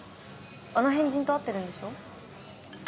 あの変人と会ってるんでしょ？